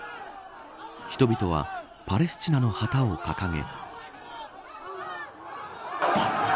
人々はパレスチナの旗を掲げ。